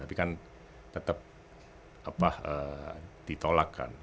tapi kan tetap apa ditolakkan